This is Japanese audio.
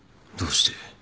どうして